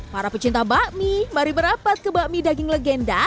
para pecinta bakmi mari merapat ke bakmi daging legenda